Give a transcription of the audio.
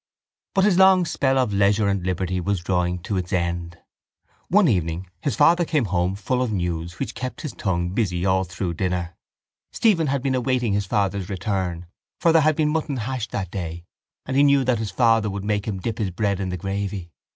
But his long spell of leisure and liberty was drawing to its end. One evening his father came home full of news which kept his tongue busy all through dinner. Stephen had been awaiting his father's return for there had been mutton hash that day and he knew that his father would make him dip his bread in the gravy.